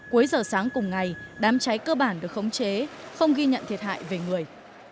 cuối giờ sáng cùng ngày đám cháy cơ bản được khống chế không ghi nhận thiệt hại về người